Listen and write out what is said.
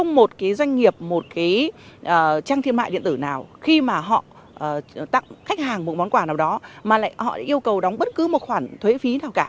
một cái doanh nghiệp một cái trang thương mại điện tử nào khi mà họ tặng khách hàng một món quà nào đó mà lại họ yêu cầu đóng bất cứ một khoản thuế phí nào cả